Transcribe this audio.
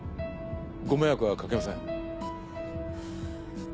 ご迷惑はかけません。